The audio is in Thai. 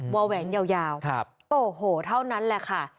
วาวแหวนยาวยาวครับโอ้โหเท่านั้นแหละค่ะ